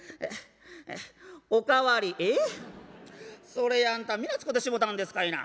それあんた皆使うてしもたんですかいな」。